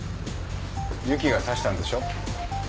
由紀が刺したんでしょ？